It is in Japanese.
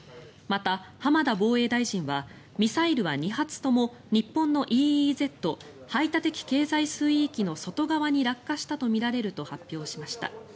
また、浜田防衛大臣はミサイルは２発とも日本のＥＥＺ・排他的経済水域の外側に落下したとみられると発表しました。